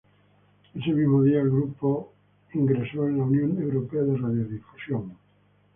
Ese mismo día, el grupo ingresó en la Unión Europea de Radiodifusión.